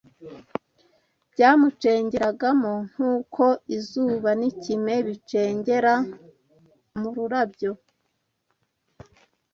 byamucengeragamo nk’uko izuba n’ikime bicengera mu rurabyo